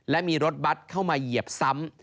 และมีรถบัตรเข้ามาเหยียบซ้ำ